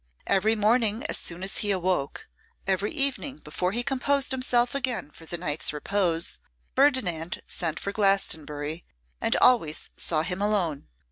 Every morning as soon as he awoke, every evening before he composed himself again for the night's repose, Ferdinand sent for Glastonbury, and always saw him alone.